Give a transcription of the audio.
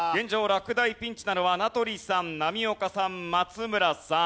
落第ピンチなのは名取さん波岡さん松村さん。